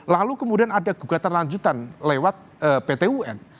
lalu kemudian ada gugatan lanjutan lewat pt un